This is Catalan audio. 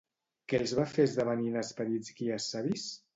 Què els va fer esdevenir en esperits guies savis?